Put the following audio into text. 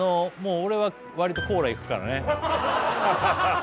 俺は割とコーラいくからね